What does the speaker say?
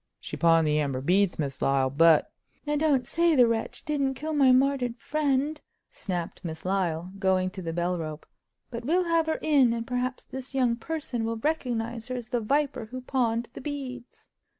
"She pawned the amber beads, Miss Lyle, but—" "Now, don't say the wretch didn't kill my martyred friend," snapped Miss Lyle, going to the bell rope; "but we'll have her in, and perhaps this young person will recognize her as the viper who pawned the beads."